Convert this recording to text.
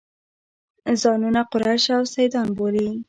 ځانونه قریش او سیدان بولي.